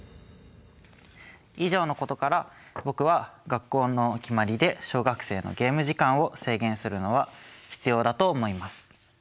以上のことから僕は学校の決まりで小学生のゲーム時間を制限するのは必要だと思います。